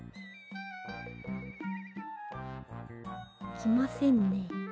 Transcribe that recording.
きませんね。